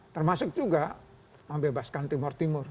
termasuk juga membebaskan timur timur